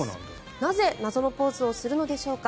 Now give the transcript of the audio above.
なぜ謎のポーズをするのでしょうか。